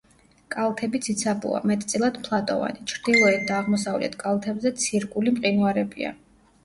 კალთები ციცაბოა, მეტწილად ფლატოვანი, ჩრდილოეთ და აღმოსავლეთ კალთებზე ცირკული მყინვარებია.